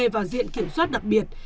vào diện kiểm soát đặc biệt